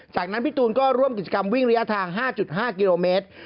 จากนั้นพี่ตูนก็ร่วมกิจกรรมวิ่งระยะทาง๕๕กิโลเมตร